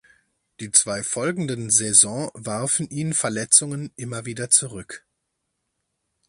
Die zwei folgenden Saison warfen ihn Verletzungen immer wieder zurück.